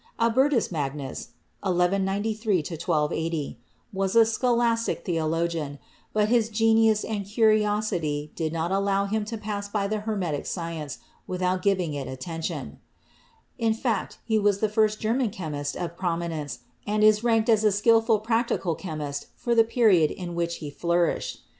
Albertus Magnus (1 193 1280) was a scholastic theolo gian, but his genius and curiosity did not allow him to pass by the Hermetic science without giving it attention; in fact, he was the first German chemist of prominence and is ranked as a skilful practical chemist for the period in which he flourished.